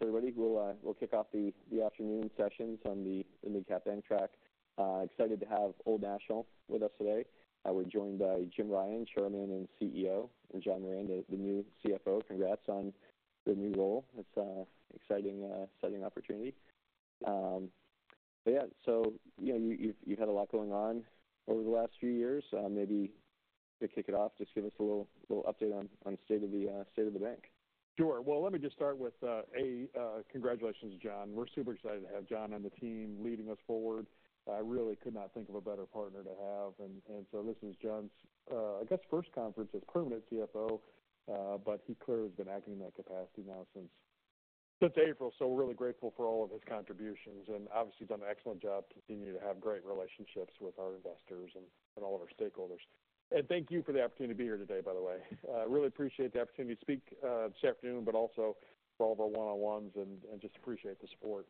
Thanks, everybody. We'll kick off the afternoon sessions on the Mid-Cap track. Excited to have Old National with us today. We're joined by Jim Ryan, Chairman and CEO, and John Moran, the new CFO. Congrats on the new role. It's a exciting opportunity. But yeah, so you know, you've had a lot going on over the last few years. Maybe to kick it off, just give us a little update on the state of the bank. Sure. Well, let me just start with congratulations, John. We're super excited to have John on the team leading us forward. I really could not think of a better partner to have, and so this is John's, I guess, first conference as permanent CFO, but he clearly has been acting in that capacity now since April, so we're really grateful for all of his contributions, and obviously done an excellent job continuing to have great relationships with our investors and all of our stakeholders, and thank you for the opportunity to be here today, by the way. I really appreciate the opportunity to speak this afternoon, but also for all of our one-on-ones and just appreciate the support.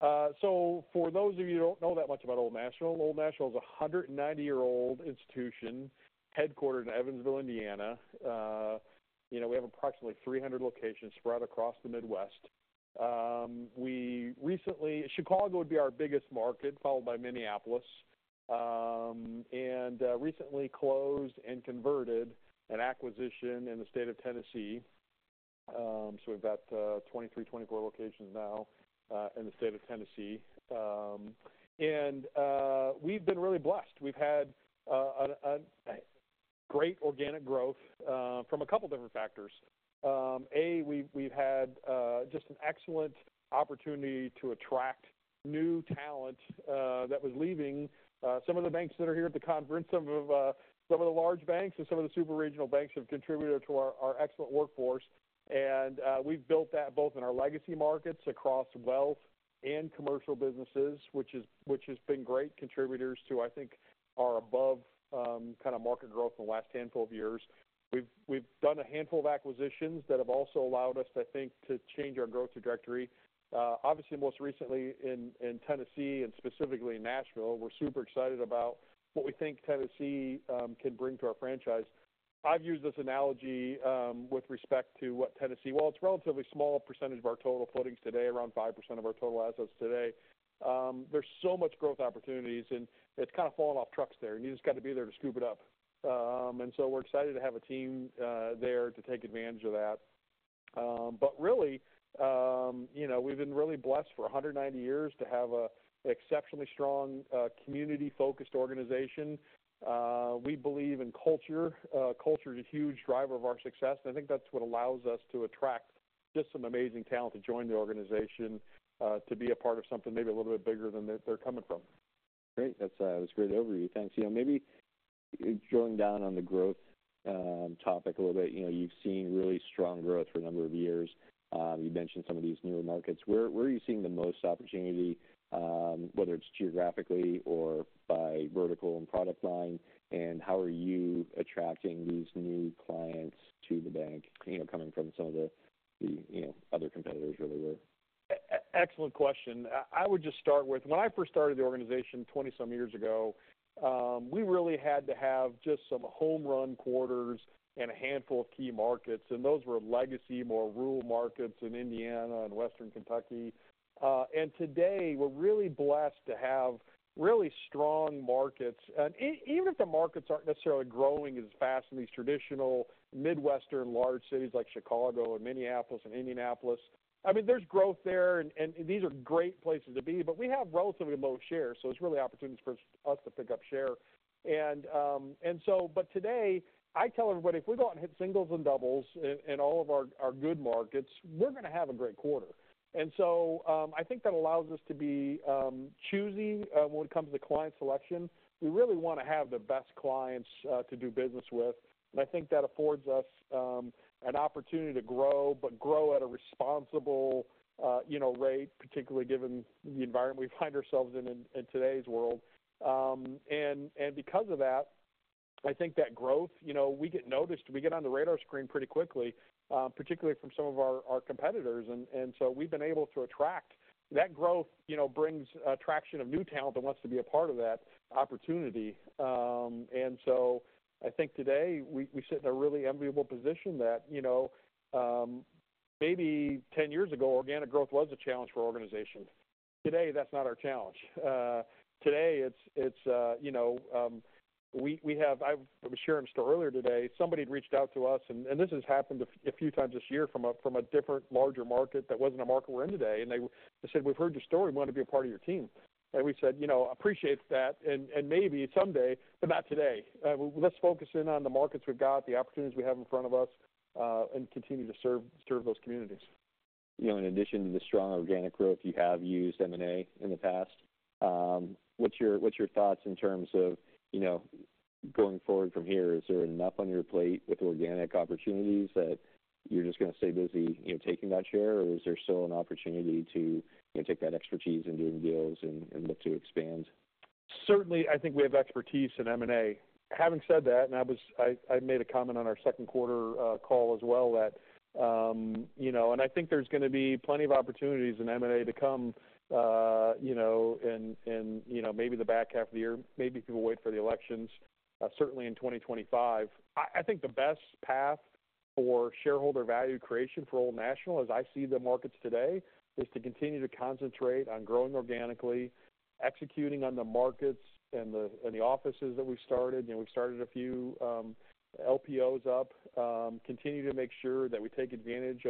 For those of you who don't know that much about Old National, Old National is a 190-year-old institution, headquartered in Evansville, Indiana. You know, we have approximately 300 locations spread across the Midwest. Chicago would be our biggest market, followed by Minneapolis. We recently closed and converted an acquisition in the state of Tennessee. We've got 23-24 locations now in the state of Tennessee. We've been really blessed. We've had a great organic growth from a couple different factors. We've had just an excellent opportunity to attract new talent that was leaving some of the banks that are here at the conference. Some of the large banks and some of the super regional banks have contributed to our excellent workforce, and we've built that both in our legacy markets across wealth and commercial businesses, which has been great contributors to, I think, our above kind of market growth in the last handful of years. We've done a handful of acquisitions that have also allowed us to think, to change our growth trajectory. Obviously, most recently in Tennessee and specifically in Nashville, we're super excited about what we think Tennessee can bring to our franchise. I've used this analogy with respect to what Tennessee, while it's a relatively small percentage of our total footings today, around 5% of our total assets today, there's so much growth opportunities, and it's kind of falling off trucks there, and you just got to be there to scoop it up. And so we're excited to have a team there to take advantage of that. But really, you know, we've been really blessed for a hundred and ninety years to have an exceptionally strong community-focused organization. We believe in culture. Culture is a huge driver of our success, and I think that's what allows us to attract just some amazing talent to join the organization, to be a part of something maybe a little bit bigger than they're coming from. Great. That's a great overview. Thanks. You know, maybe drilling down on the growth topic a little bit, you know, you've seen really strong growth for a number of years. You've mentioned some of these newer markets. Where are you seeing the most opportunity, whether it's geographically or by vertical and product line, and how are you attracting these new clients to the bank, you know, coming from some of the, you know, other competitors really wide? Excellent question. I would just start with, when I first started the organization twenty some years ago, we really had to have just some home run quarters and a handful of key markets, and those were legacy, more rural markets in Indiana and Western Kentucky. And today, we're really blessed to have really strong markets. And even if the markets aren't necessarily growing as fast in these traditional Midwestern large cities like Chicago and Minneapolis and Indianapolis, I mean, there's growth there and these are great places to be, but we have relatively low share, so it's really opportunities for us to pick up share. But today, I tell everybody, if we go out and hit singles and doubles in all of our good markets, we're going to have a great quarter. And so, I think that allows us to be choosy when it comes to client selection. We really want to have the best clients to do business with, and I think that affords us an opportunity to grow, but grow at a responsible, you know, rate, particularly given the environment we find ourselves in in today's world. And because of that, I think that growth, you know, we get noticed, we get on the radar screen pretty quickly, particularly from some of our competitors. And so we've been able to attract that growth, you know, brings attraction of new talent that wants to be a part of that opportunity. And so I think today we sit in a really enviable position that, you know, maybe ten years ago, organic growth was a challenge for our organization. Today, that's not our challenge. Today it's you know I was sharing a story earlier today. Somebody had reached out to us, and this has happened a few times this year from a different larger market that wasn't a market we're in today. And they said, "We've heard your story. We want to be a part of your team." And we said, "You know, appreciate that, and maybe someday, but not today. Let's focus in on the markets we've got, the opportunities we have in front of us, and continue to serve those communities. You know, in addition to the strong organic growth, you have used M&A in the past. What's your thoughts in terms of, you know, going forward from here? Is there enough on your plate with organic opportunities that you're just going to stay busy, you know, taking that share, or is there still an opportunity to, you know, take that expertise in doing deals and look to expand? Certainly, I think we have expertise in M&A. Having said that, and I made a comment on our second quarter call as well, that, you know, and I think there's going to be plenty of opportunities in M&A to come, you know, in, in, you know, maybe the back half of the year. Maybe people wait for the elections. certainly in 2025. I think the best path for shareholder value creation for Old National, as I see the markets today, is to continue to concentrate on growing organically, executing on the markets and the, and the offices that we started. You know, we started a few LPOs up. Continue to make sure that we take advantage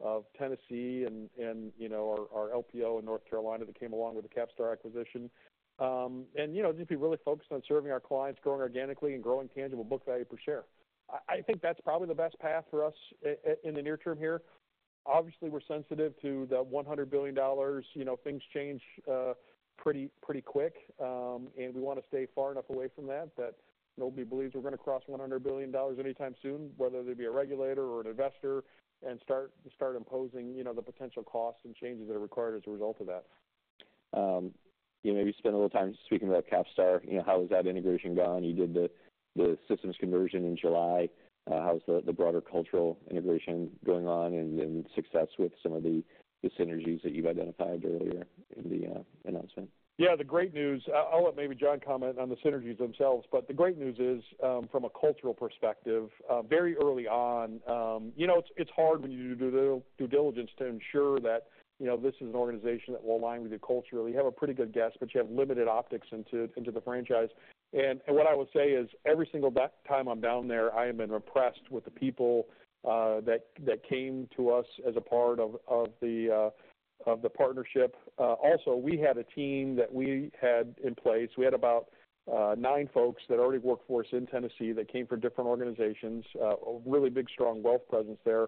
of Tennessee and, you know, our LPO in North Carolina that came along with the CapStar acquisition. And you know, just be really focused on serving our clients, growing organically, and growing tangible book value per share. I think that's probably the best path for us in the near term here. Obviously, we're sensitive to the $100 billion. You know, things change pretty quick, and we want to stay far enough away from that that nobody believes we're going to cross $100 billion anytime soon, whether they be a regulator or an investor, and start imposing you know, the potential costs and changes that are required as a result of that. You maybe spent a little time speaking about CapStar. You know, how has that integration gone? You did the systems conversion in July. How's the broader cultural integration going on and success with some of the synergies that you've identified earlier in the announcement? Yeah, the great news, I'll let maybe John comment on the synergies themselves, but the great news is, from a cultural perspective, very early on, you know, it's hard when you do due diligence to ensure that, you know, this is an organization that will align with you culturally. You have a pretty good guess, but you have limited optics into the franchise, and what I would say is every single time I'm down there, I have been impressed with the people that came to us as a part of the partnership. Also, we had a team that we had in place. We had about nine folks that already worked for us in Tennessee, that came from different organizations, a really big, strong wealth presence there.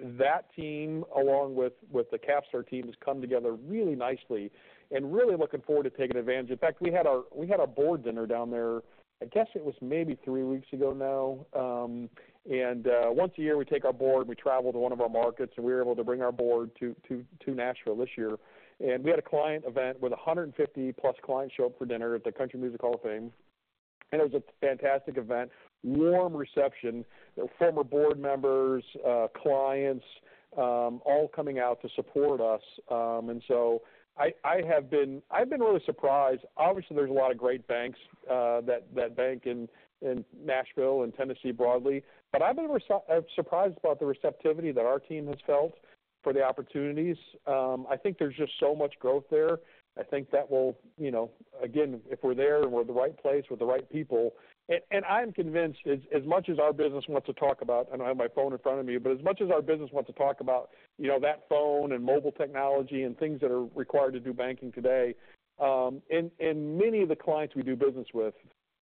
That team, along with the CapStar team, has come together really nicely and really looking forward to taking advantage. In fact, we had our board dinner down there, I guess it was maybe three weeks ago now. Once a year, we take our board, we travel to one of our markets, and we were able to bring our board to Nashville this year, and we had a client event with 150+ clients show up for dinner at the Country Music Hall of Fame, and it was a fantastic event. Warm reception, former board members, clients, all coming out to support us, and so I have been really surprised. Obviously, there's a lot of great banks that bank in Nashville and Tennessee broadly, but I've been surprised about the receptivity that our team has felt for the opportunities. I think there's just so much growth there. I think that will, you know, again, if we're there and we're in the right place with the right people. I'm convinced, as much as our business wants to talk about, I don't have my phone in front of me, but as much as our business wants to talk about, you know, that phone and mobile technology and things that are required to do banking today, and many of the clients we do business with,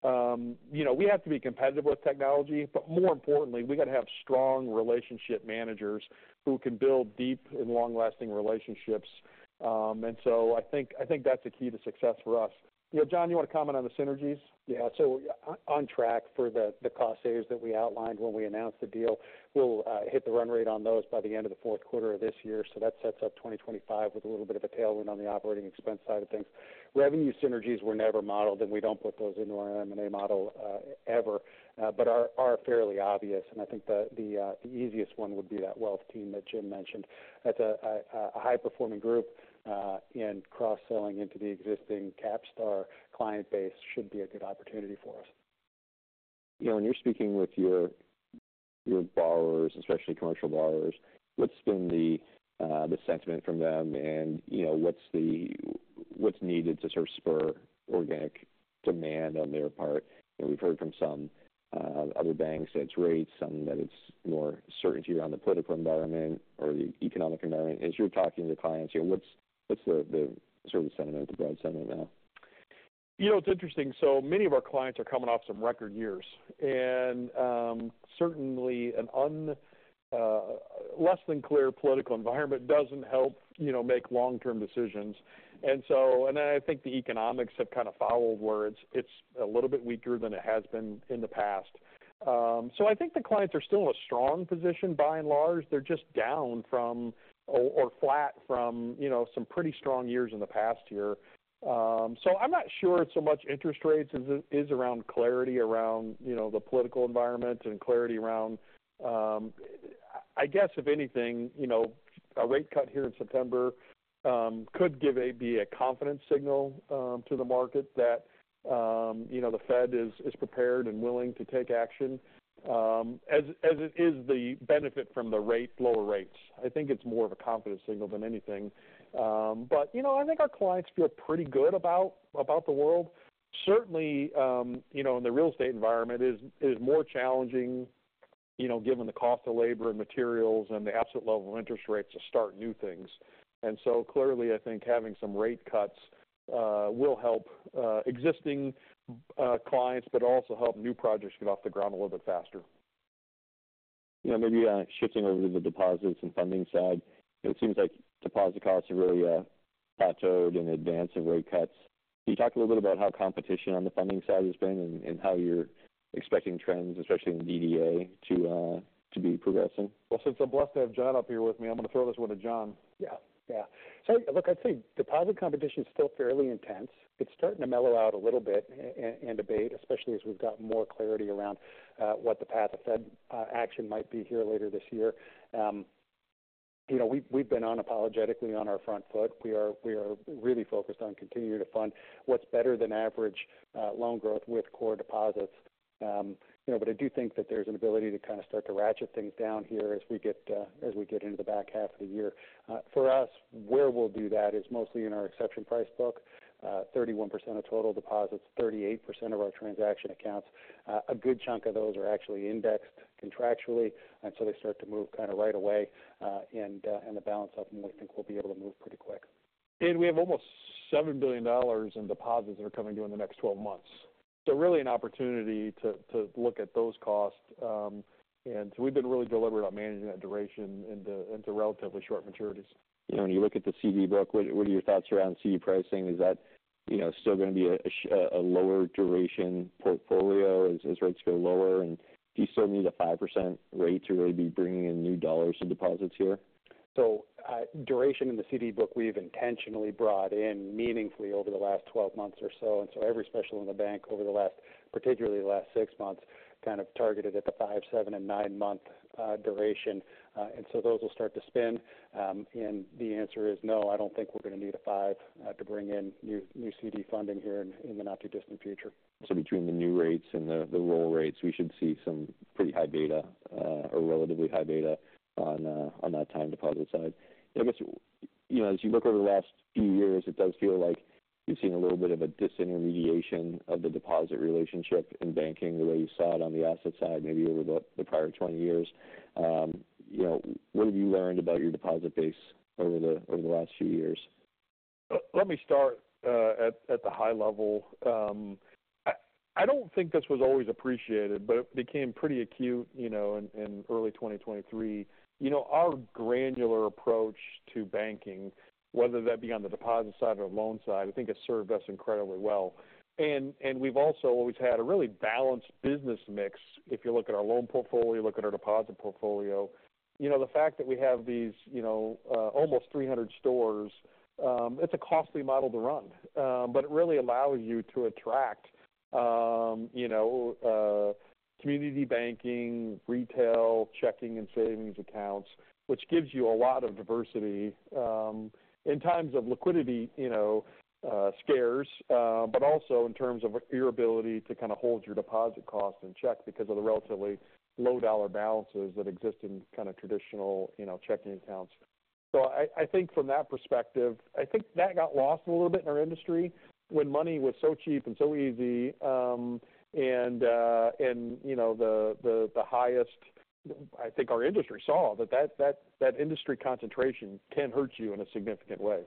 you know, we have to be competitive with technology, but more importantly, we got to have strong relationship managers who can build deep and long-lasting relationships, and so I think that's a key to success for us. You know, John, you want to comment on the synergies? Yeah, so on track for the cost savings that we outlined when we announced the deal. We'll hit the run rate on those by the end of the fourth quarter of this year. So that sets up 2025 with a little bit of a tailwind on the operating expense side of things. Revenue synergies were never modeled, and we don't put those into our M&A model, ever, but are fairly obvious, and I think the easiest one would be that wealth team that Jim mentioned. That's a high-performing group, and cross-selling into the existing CapStar client base should be a good opportunity for us. You know, when you're speaking with your borrowers, especially commercial borrowers, what's been the sentiment from them? And, you know, what's needed to sort of spur organic demand on their part? You know, we've heard from some other banks that it's rates, some that it's more certainty around the political environment or the economic environment. As you're talking to clients, you know, what's the sort of sentiment, the broad sentiment now? You know, it's interesting. So many of our clients are coming off some record years, and certainly an uncertain, less than clear political environment doesn't help, you know, make long-term decisions, and so I think the economics have kind of followed where it's a little bit weaker than it has been in the past. So I think the clients are still in a strong position by and large. They're just down from or flat from, you know, some pretty strong years in the past year. So I'm not sure it's so much interest rates as it is around clarity around, you know, the political environment and clarity around. I guess, if anything, you know, a rate cut here in September could be a confidence signal to the market that, you know, the Fed is prepared and willing to take action as is the benefit from lower rates. I think it's more of a confidence signal than anything, but you know, I think our clients feel pretty good about the world. Certainly, you know, the real estate environment is more challenging, you know, given the cost of labor and materials and the absolute level of interest rates to start new things. And so clearly, I think having some rate cuts will help existing clients, but also help new projects get off the ground a little bit faster. You know, maybe shifting over to the deposits and funding side. It seems like deposit costs have really plateaued in advance of rate cuts. Can you talk a little bit about how competition on the funding side has been and how you're expecting trends, especially in DDA, to be progressing? Well, since I'm blessed to have John up here with me, I'm going to throw this one to John. Yeah. Yeah. So look, I'd say deposit competition is still fairly intense. It's starting to mellow out a little bit and abate, especially as we've got more clarity around what the path of Fed action might be here later this year. You know, we've been unapologetically on our front foot. We are really focused on continuing to fund what's better than average loan growth with core deposits. You know, but I do think that there's an ability to kind of start to ratchet things down here as we get into the back half of the year. For us, where we'll do that is mostly in our exception price book, 31% of total deposits, 38% of our transaction accounts. A good chunk of those are actually indexed contractually, and so they start to move kind of right away, and the balance of them, I think, will be able to move pretty quick. And we have almost $7 billion in deposits that are coming due in the next 12 months. So really an opportunity to look at those costs. And so we've been really deliberate on managing that duration into relatively short maturities. You know, when you look at the CD book, what are your thoughts around CD pricing? Is that, you know, still going to be a lower duration portfolio as rates go lower? And do you still need a 5% rate to really be bringing in new dollars in deposits here? So, duration in the CD book, we've intentionally brought in meaningfully over the last twelve months or so. And so every special in the bank over the last, particularly the last six months, kind of targeted at the five, seven, and nine-month duration. And so those will start to spin. And the answer is no, I don't think we're going to need a 5% to bring in new CD funding here in the not-too-distant future. So between the new rates and the roll rates, we should see some pretty high beta, or relatively high beta on that time deposit side. I guess, you know, as you look over the last few years, it does feel like you've seen a little bit of a disintermediation of the deposit relationship in banking, the way you saw it on the asset side, maybe over the prior twenty years. You know, what have you learned about your deposit base over the last few years? Let me start at the high level. I don't think this was always appreciated, but it became pretty acute, you know, in early 2023. You know, our granular approach to banking, whether that be on the deposit side or loan side, I think has served us incredibly well, and we've also always had a really balanced business mix, if you look at our loan portfolio, you look at our deposit portfolio. You know, the fact that we have these, you know, almost 300 stores, it's a costly model to run, but it really allows you to attract, you know, community banking, retail, checking and savings accounts, which gives you a lot of diversity, in times of liquidity, you know, scares, but also in terms of your ability to kind of hold your deposit costs in check because of the relatively low dollar balances that exist in kind of traditional, you know, checking accounts. So I think from that perspective, I think that got lost a little bit in our industry when money was so cheap and so easy. You know, I think our industry saw that industry concentration can hurt you in a significant way.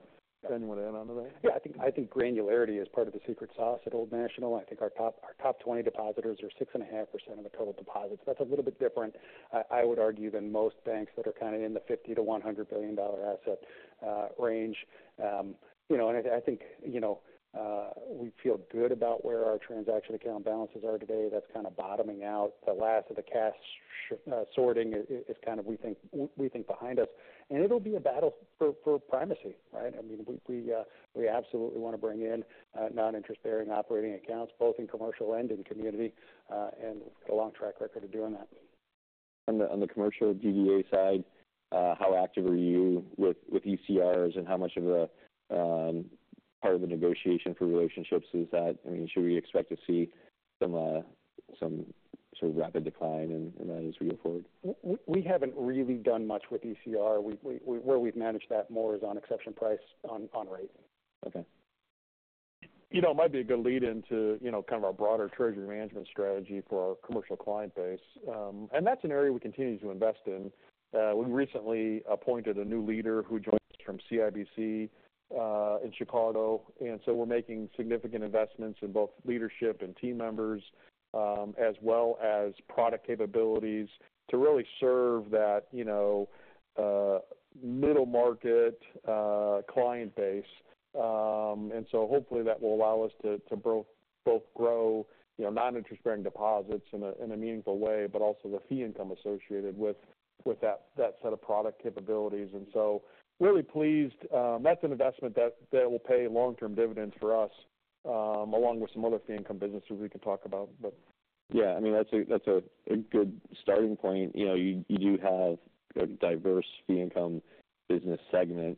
John, you want to add on to that? Yeah, I think granularity is part of the secret sauce at Old National. I think our top 20 depositors are 6.5% of the total deposits. That's a little bit different, I would argue, than most banks that are kind of in the $50 billion to $100 billion asset range. You know, and I think, you know, we feel good about where our transaction account balances are today. That's kind of bottoming out. The last of the cash sorting is kind of, we think, behind us. It'll be a battle for primacy, right? I mean, we absolutely want to bring in non-interest-bearing operating accounts, both in commercial and in community, and a long track record of doing that. On the commercial DDA side, how active are you with ECRs, and how much of a part of the negotiation for relationships is that? I mean, should we expect to see some sort of rapid decline in that as we go forward? We haven't really done much with ECR. Where we've managed that more is on exception pricing on rate. Okay. You know, it might be a good lead-in to, you know, kind of our broader treasury management strategy for our commercial client base, and that's an area we continue to invest in. We recently appointed a new leader who joined us from CIBC in Chicago, and so we're making significant investments in both leadership and team members, as well as product capabilities to really serve that, you know, middle market client base, and so hopefully that will allow us to both grow, you know, non-interest-bearing deposits in a meaningful way, but also the fee income associated with that set of product capabilities, and so really pleased. That's an investment that will pay long-term dividends for us, along with some other fee income businesses we can talk about, but. Yeah, I mean, that's a good starting point. You know, you do have a diverse fee income business segment.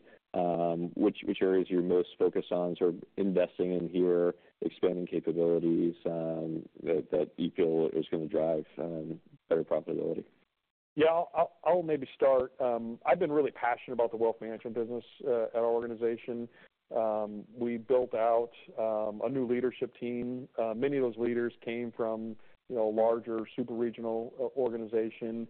Which areas are you most focused on sort of investing in here, expanding capabilities, that you feel is going to drive better profitability? Yeah, I'll maybe start. I've been really passionate about the wealth management business at our organization. We built out a new leadership team. Many of those leaders came from, you know, larger super regional organization.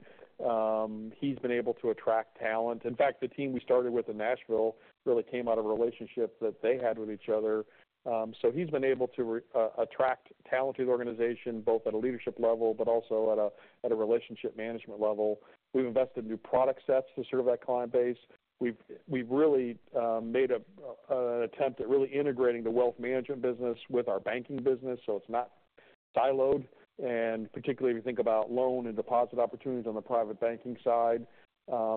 He's been able to attract talent. In fact, the team we started with in Nashville really came out of a relationship that they had with each other. So he's been able to attract talent to the organization, both at a leadership level, but also at a relationship management level. We've invested in new product sets to serve that client base. We've really made an attempt at really integrating the wealth management business with our banking business, so it's not siloed. Particularly, if you think about loan and deposit opportunities on the private banking side,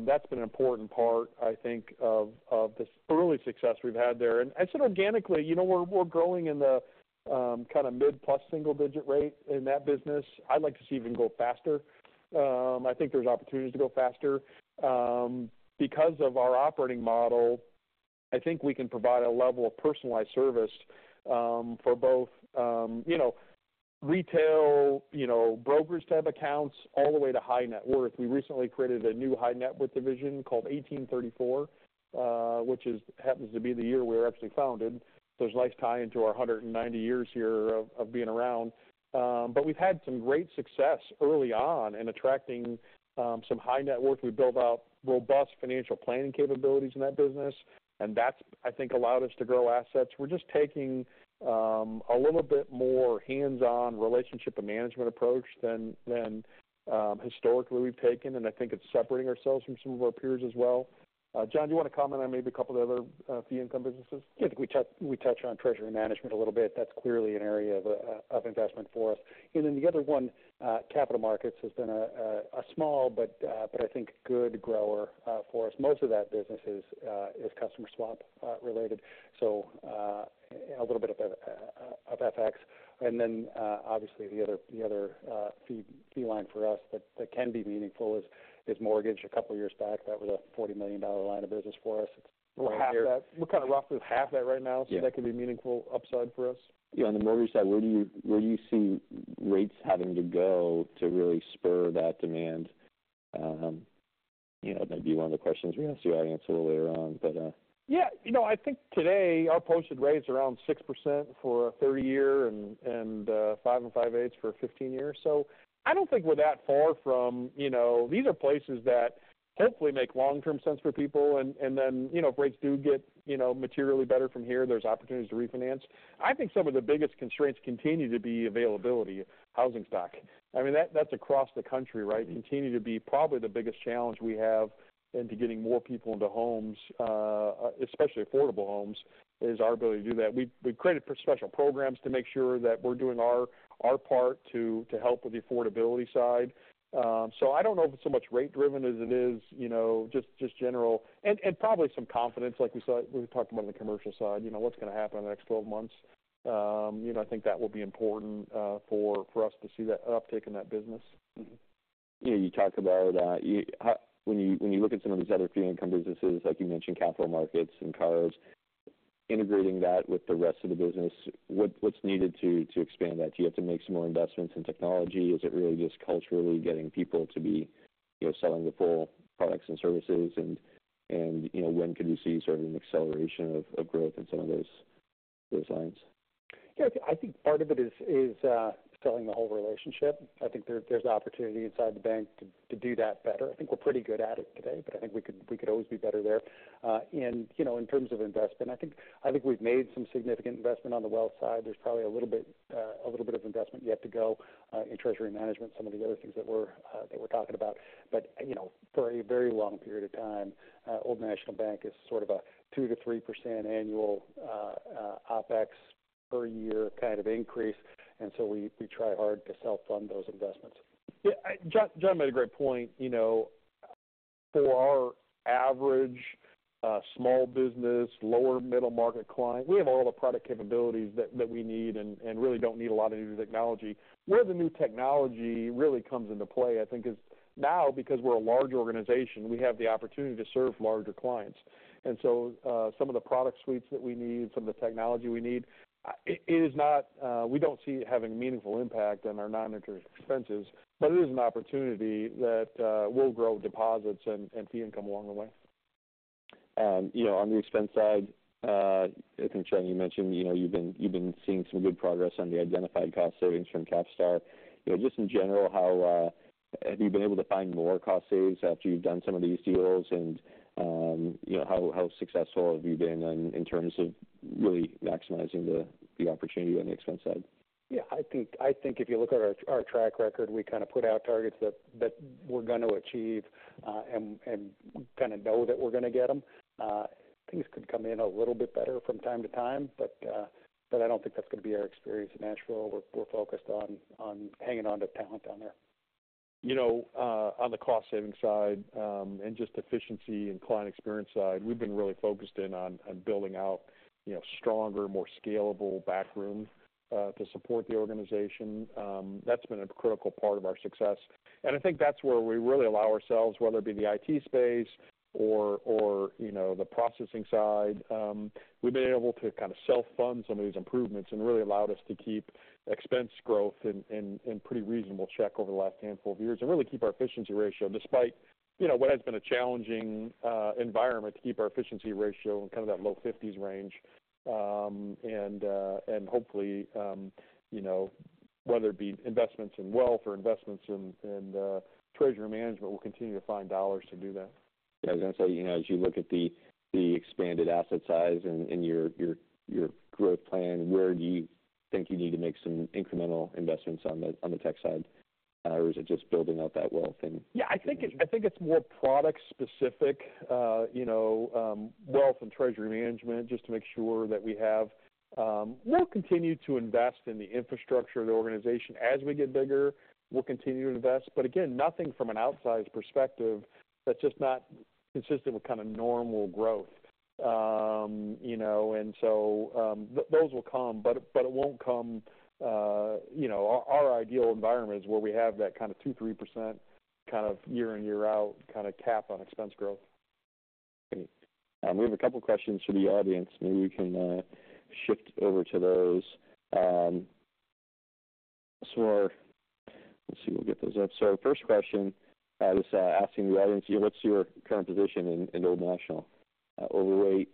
that's been an important part, I think, of the early success we've had there. I said, organically, you know, we're growing in the kind of mid-plus single digit rate in that business. I'd like to see it even go faster. I think there's opportunities to go faster because of our operating model. I think we can provide a level of personalized service for both, you know, retail, you know, brokerage-type accounts all the way to high-net-worth. We recently created a new high-net-worth division called 1834, which happens to be the year we were actually founded. There's nice tie-in to our 190 years here of being around. But we've had some great success early on in attracting some high net worth. We built out robust financial planning capabilities in that business, and that's, I think, allowed us to grow assets. We're just taking a little bit more hands-on relationship and management approach than historically we've taken, and I think it's separating ourselves from some of our peers as well. John, do you want to comment on maybe a couple of other fee income businesses? Yeah, I think we touch on treasury management a little bit. That's clearly an area of investment for us. And then the other one, capital markets, has been a small but I think good grower for us. Most of that business is customer swap related, so a little bit of FX. And then, obviously, the other fee line for us that can be meaningful is mortgage. A couple of years back, that was a $40 million line of business for us. We're half that. We're kind of roughly half that right now. Yeah. So that could be meaningful upside for us. Yeah, on the mortgage side, where do you see rates having to go to really spur that demand? You know, that may be one of the questions we ask you to answer a little later on, but. Yeah, you know, I think today our posted rate is around 6% for a 30-year and 5.625% for a 15-year. So I don't think we're that far from. You know, these are places that hopefully make long-term sense for people. And then, you know, if rates do get materially better from here, there's opportunities to refinance. I think some of the biggest constraints continue to be availability, housing stock. I mean, that's across the country, right? Continuing to be probably the biggest challenge we have into getting more people into homes, especially affordable homes, is our ability to do that. We've created special programs to make sure that we're doing our part to help with the affordability side. So I don't know if it's so much rate driven as it is, you know, just general and probably some confidence, like we saw when we talked about on the commercial side. You know, what's going to happen in the next twelve months? You know, I think that will be important, for us to see that uptick in that business. You know, you talk about how, when you look at some of these other fee income businesses, like you mentioned, capital markets and cards, integrating that with the rest of the business, what's needed to expand that? Do you have to make some more investments in technology? Is it really just culturally getting people to be, you know, selling the full products and services? And, you know, when could you see sort of an acceleration of growth in some of those lines? Yeah, I think part of it is selling the whole relationship. I think there's opportunity inside the bank to do that better. I think we're pretty good at it today, but I think we could always be better there. And, you know, in terms of investment, I think we've made some significant investment on the wealth side. There's probably a little bit of investment yet to go in treasury management, some of the other things that we're talking about. But, you know, for a very long period of time, Old National Bank is sort of a 2%-3% annual OpEx per year kind of increase, and so we try hard to self-fund those investments. Yeah, John made a great point. You know, for our average small business, lower middle market client, we have all the product capabilities that we need and really don't need a lot of new technology. Where the new technology really comes into play, I think, is now, because we're a larger organization, we have the opportunity to serve larger clients. And so, some of the product suites that we need, some of the technology we need, it is not. We don't see it having a meaningful impact on our non-interest expenses, but it is an opportunity that will grow deposits and fee income along the way. You know, on the expense side, I think, John, you mentioned, you know, you've been seeing some good progress on the identified cost savings from CapStar. You know, just in general, how have you been able to find more cost savings after you've done some of these deals? And you know, how successful have you been in terms of really maximizing the opportunity on the expense side? Yeah, I think if you look at our track record, we kind of put out targets that we're going to achieve and kind of know that we're going to get them. Things could come in a little bit better from time to time, but I don't think that's going to be our experience in Nashville. We're focused on hanging on to talent down there. You know, on the cost-saving side, and just efficiency and client experience side, we've been really focused in on building out, you know, stronger, more scalable back room to support the organization. That's been a critical part of our success, and I think that's where we really allow ourselves, whether it be the IT space or, you know, the processing side, we've been able to kind of self-fund some of these improvements, and it really allowed us to keep expense growth in pretty reasonable check over the last handful of years. And really keep our efficiency ratio, despite, you know, what has been a challenging environment to keep our efficiency ratio in kind of that low fifties range. Hopefully, you know, whether it be investments in wealth or investments in treasury management, we'll continue to find dollars to do that. Yeah, I was going to say, you know, as you look at the expanded asset size and your growth plan, where do you think you need to make some incremental investments on the tech side? Or is it just building out that wealth and. Yeah, I think it's more product specific, you know, wealth and treasury management, just to make sure that we have. We'll continue to invest in the infrastructure of the organization. As we get bigger, we'll continue to invest, but again, nothing from an outsized perspective that's just not consistent with kind of normal growth. You know, and so, those will come, but it won't come. You know, our ideal environment is where we have that kind of 2%-3% kind of year-in, year-out kind of cap on expense growth. Great. We have a couple questions from the audience. Maybe we can shift over to those. So let's see, we'll get those up. So our first question was asking the audience, "What's your current position in Old National? Overweight,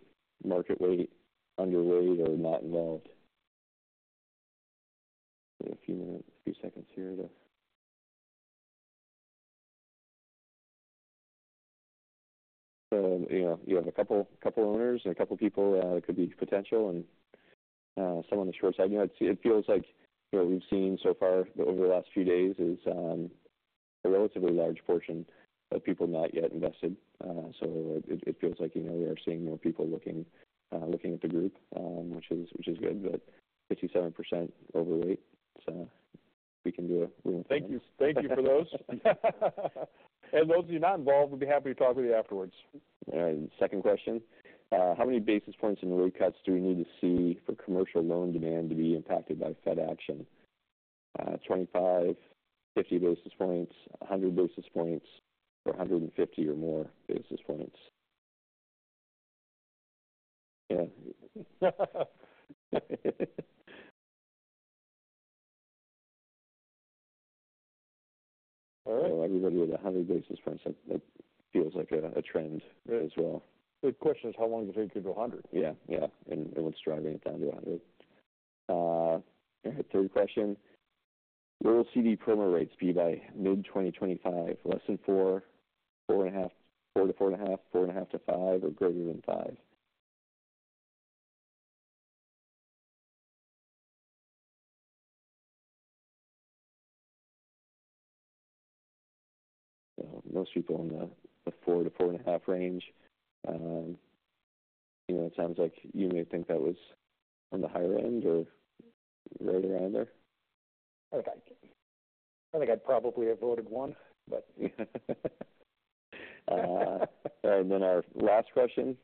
market weight, underweight, or not involved?" Give a few minutes, few seconds here to. So, you know, you have a couple owners and a couple people that could be potential and some on the short side. You know, it feels like what we've seen so far over the last few days is a relatively large portion of people not yet invested. So it feels like, you know, we are seeing more people looking at the group, which is good, but 57% overweight, so we can do it. Thank you. Thank you for those, and those of you not involved, we'll be happy to talk with you afterwards. All right, second question: How many basis points in rate cuts do we need to see for commercial loan demand to be impacted by Fed action? 25, 50 basis points, a 100 basis points, or a 105 or more basis points? Yeah. All right. Everybody with 100 basis points, that feels like a trend as well. The question is, how long does it take to go to a 100? Yeah, yeah. And what's driving it down to 100? Third question: Where will CD prime rates be by mid-2025? Less than 4, 4.5, 4-4.5, 4.5-5, or greater than 5. So most people in the 4-4.5 range. You know, it sounds like you may think that was on the higher end or right around there? Okay. I think I'd probably have voted one, but And then our last question: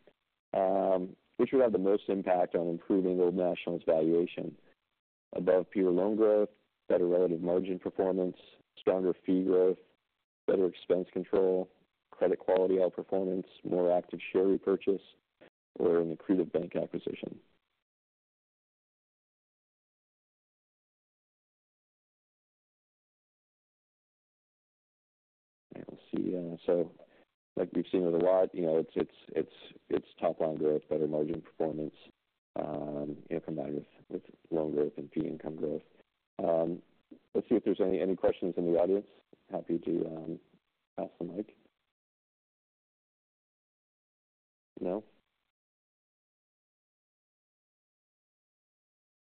which would have the most impact on improving Old National's valuation? Above peer loan growth, better relative margin performance, stronger fee growth, better expense control, credit quality outperformance, more active share repurchase, or an accretive bank acquisition. Let's see, so like we've seen with a lot, you know, it's top line growth, better margin performance, combined with loan growth and fee income growth. Let's see if there's any questions in the audience. Happy to pass the mic. No?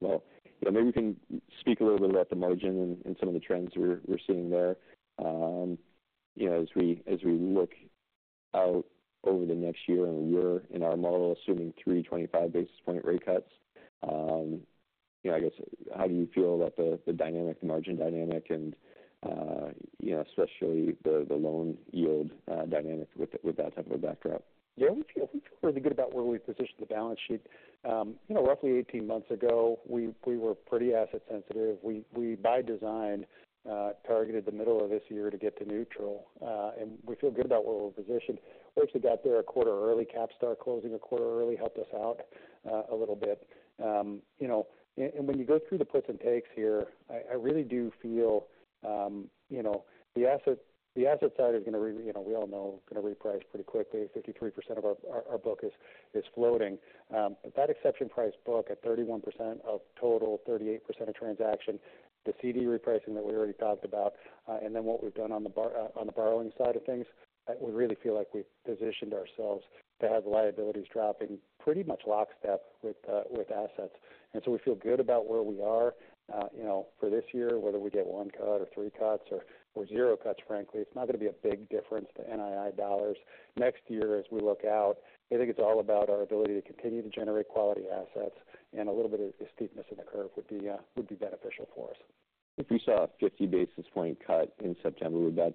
Well, yeah, maybe we can speak a little bit about the margin and some of the trends we're seeing there. You know, as we look out over the next year and we're in our model, assuming three twenty-five basis point rate cuts, you know, I guess, how do you feel about the margin dynamic and, you know, especially the loan yield dynamic with that type of a backdrop? Yeah, we feel pretty good about where we positioned the balance sheet. You know, roughly eighteen months ago, we were pretty asset sensitive. We by design targeted the middle of this year to get to neutral, and we feel good about where we're positioned. We actually got there a quarter early. CapStar closing a quarter early helped us out a little bit. You know, when you go through the puts and takes here, I really do feel, you know, the asset side is going to reprice pretty quickly. 53% of our book is floating. But that exception price book at 31% of total, 38% of transaction, the CD repricing that we already talked about, and then what we've done on the borrowing side of things, we really feel like we've positioned ourselves to have liabilities dropping pretty much lockstep with assets. And so we feel good about where we are. You know, for this year, whether we get one cut or three cuts or zero cuts, frankly, it's not going to be a big difference to NII dollars. Next year, as we look out, I think it's all about our ability to continue to generate quality assets, and a little bit of a steepness in the curve would be beneficial for us. If we saw a fifty basis points cut in September, would that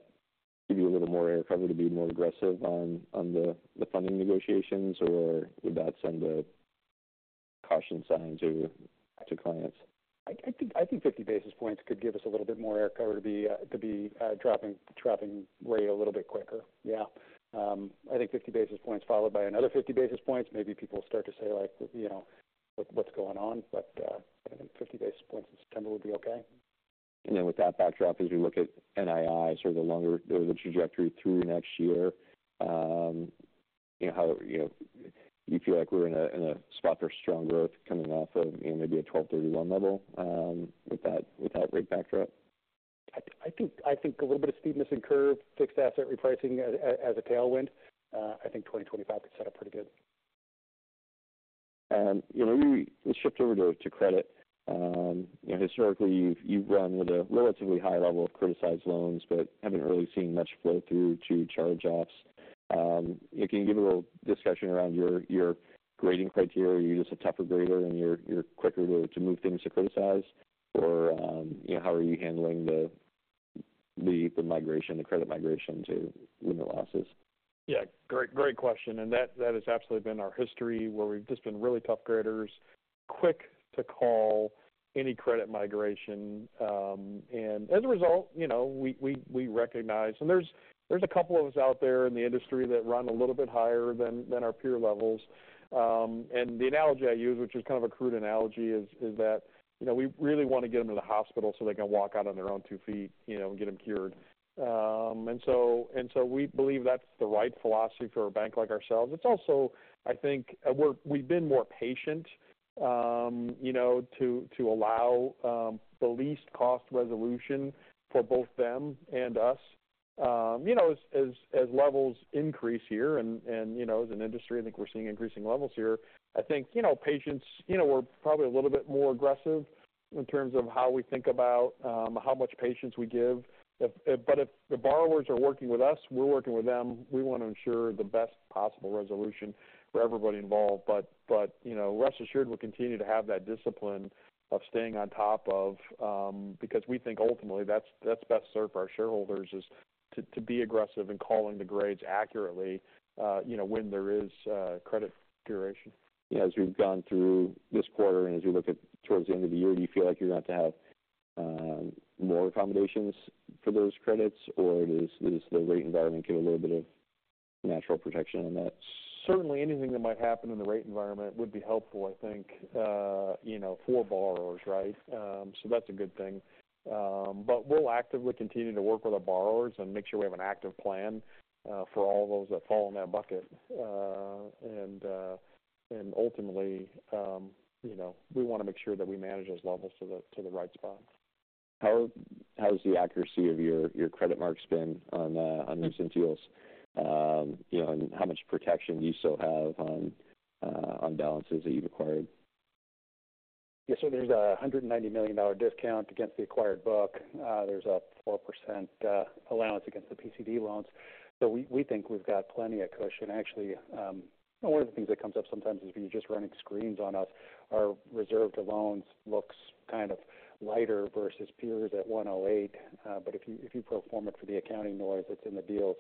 give you a little more air cover to be more aggressive on the funding negotiations, or would that send a caution sign to clients? I think fifty basis points could give us a little bit more air cover to be dropping rate a little bit quicker. Yeah. I think fifty basis points, followed by another fifty basis points, maybe people start to say, like, you know, "What, what's going on?" I think fifty basis points in September would be okay. And then with that backdrop, as we look at NII, sort of the longer the trajectory through next year, you know, how, you know, do you feel like we're in a spot for strong growth coming off of, you know, maybe a 12/31 level, with that rate backdrop? I think a little bit of steepness in curve, fixed asset repricing as a tailwind. I think 2025 could set up pretty good. You know, we switched over to credit. You know, historically, you've run with a relatively high level of criticized loans, but haven't really seen much flow through to charge-offs. Can you give a little discussion around your grading criteria? Are you just a tougher grader and you're quicker to move things to criticize? Or, you know, how are you handling the migration, the credit migration to limit losses? Yeah, great, great question. And that, that has absolutely been our history, where we've just been really tough graders. Quick to call any credit migration, and as a result, you know, we recognize, and there's a couple of us out there in the industry that run a little bit higher than our peer levels, and the analogy I use, which is kind of a crude analogy, is that, you know, we really want to get them to the hospital so they can walk out on their own two feet, you know, and get them cured, and so we believe that's the right philosophy for a bank like ourselves. It's also, I think, we've been more patient, you know, to allow the least cost resolution for both them and us. You know, as levels increase here and, you know, as an industry, I think we're seeing increasing levels here. I think, you know, patience, you know, we're probably a little bit more aggressive in terms of how we think about how much patience we give. But if the borrowers are working with us, we're working with them. We want to ensure the best possible resolution for everybody involved. But you know, rest assured, we'll continue to have that discipline of staying on top of because we think ultimately that's best served for our shareholders, is to be aggressive in calling the grades accurately, you know, when there is credit migration. Yeah. As we've gone through this quarter, and as you look at towards the end of the year, do you feel like you're going to have more accommodations for those credits? Or does the rate environment give a little bit of natural protection on that? Certainly, anything that might happen in the rate environment would be helpful, I think, you know, for borrowers, right? So that's a good thing, but we'll actively continue to work with our borrowers and make sure we have an active plan for all those that fall in that bucket, and ultimately, you know, we want to make sure that we manage those levels to the right spot. How has the accuracy of your credit marks been on recent deals? You know, and how much protection do you still have on balances that you've acquired? Yeah. So there's a $190 million discount against the acquired book. There's a 4% allowance against the PCD loans. So we think we've got plenty of cushion. Actually, one of the things that comes up sometimes is when you're just running screens on us, our reserve to loans looks kind of lighter versus peers at 108. But if you pro forma it for the accounting noise that's in the deals,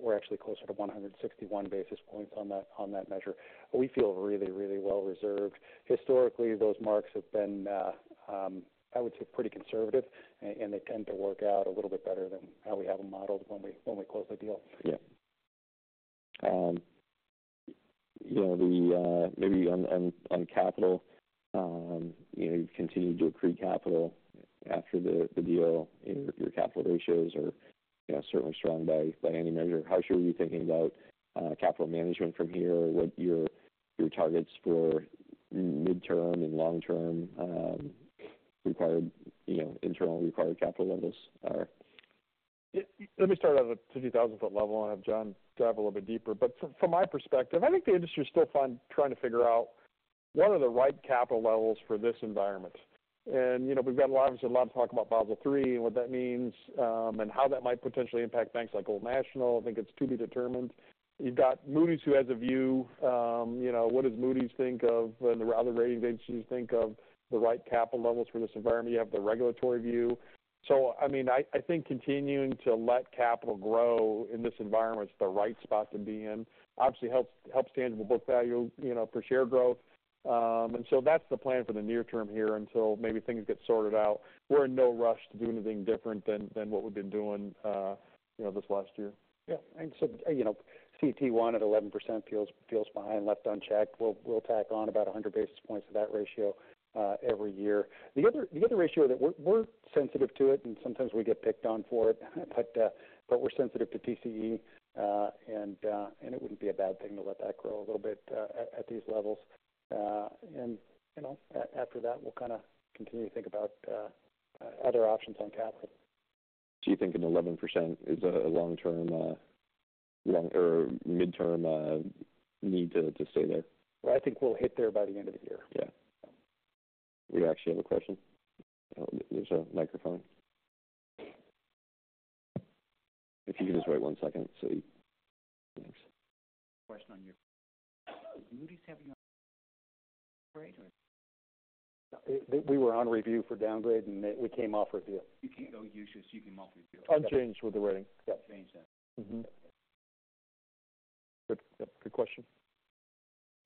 we're actually closer to 161 basis points on that measure. We feel really, really well reserved. Historically, those marks have been, I would say, pretty conservative, and they tend to work out a little bit better than how we have them modeled when we close the deal. Yeah. You know, maybe on capital, you know, you've continued to accrete capital after the deal. Your capital ratios are, you know, certainly strong by any measure. How sure are you thinking about capital management from here? What your targets for midterm and long-term required internal capital levels are? Let me start out at a 50,000 foot level and have John dive a little bit deeper, but from my perspective, I think the industry is still trying to figure out what are the right capital levels for this environment, and you know, we've got a lot, obviously, a lot of talk about Basel III and what that means, and how that might potentially impact banks like Old National. I think it's to be determined. You've got Moody's, who has a view. You know, what does Moody's think of, and the other rating agencies think of the right capital levels for this environment? You have the regulatory view. So, I mean, I think continuing to let capital grow in this environment is the right spot to be in. Obviously, helps tangible book value, you know, per share growth. That's the plan for the near term here until maybe things get sorted out. We're in no rush to do anything different than what we've been doing, you know, this last year. Yeah. And so, you know, CET1 at 11% feels behind, left unchecked. We'll tack on about 100 basis points to that ratio every year. The other ratio that we're sensitive to, and sometimes we get picked on for it, but we're sensitive to TCE, and it wouldn't be a bad thing to let that grow a little bit at these levels. And, you know, after that, we'll kind of continue to think about other options on capital. Do you think an 11% is a long-term or midterm need to stay there? I think we'll hit there by the end of the year. Yeah. We actually have a question. There's a microphone. If you just wait one second, so. Thanks. Question on your. Moody's having an upgrade or? We were on review for downgrade, and we came off review. You came off watch list? You came off review? Unchanged with the rating. Yep, changed that. Good. Yep, good question.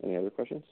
Any other questions?